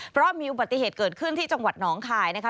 เพราะมีอุบัติเหตุเกิดขึ้นที่จังหวัดหนองคายนะคะ